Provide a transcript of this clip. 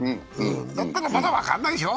だったらまだ分からないでしょう。